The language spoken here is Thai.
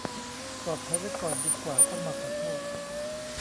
ปลอดภัยไว้ก่อนดีกว่าต้องมาขอโทษ